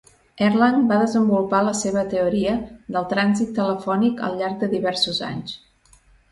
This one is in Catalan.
Erlang va desenvolupar la seva teoria del trànsit telefònic al llarg de diversos anys.